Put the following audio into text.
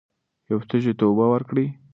یو تږي ته اوبه ورکړئ.